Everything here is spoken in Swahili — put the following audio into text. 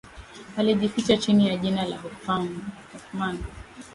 alijificha chini ya jina la hoffman